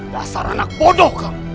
dasar anak bodoh kamu